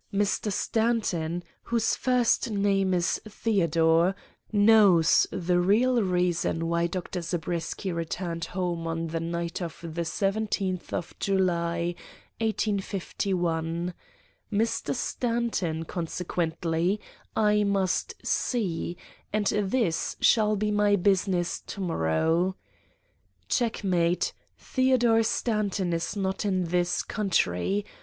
Mr. Stanton, whose first name is Theodore, knows the real reason why Dr. Zabriskie returned home on the night of the seventeenth of July, 1851. Mr. Stanton, consequently, I must see, and this shall be my business to morrow. "Checkmate! Theodore Stanton is not in this country.